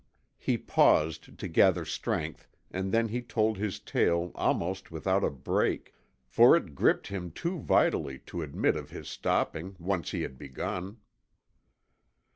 He paused to gather strength and then he told his tale almost without a break, for it gripped him too vitally to admit of his stopping, once he had begun.